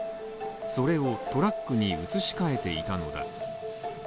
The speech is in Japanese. それをトラックに移し替えていたのだ。